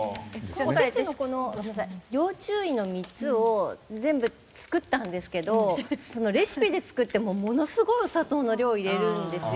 お節の要注意の３つを全部作ったんですけどレシピで作ってもものすごいお砂糖の量を入れるんですよ。